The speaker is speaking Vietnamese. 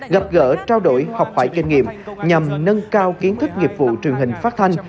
gặp gỡ trao đổi học hỏi kinh nghiệm nhằm nâng cao kiến thức nghiệp vụ truyền hình phát thanh